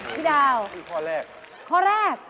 พี่ดาวข้อแรก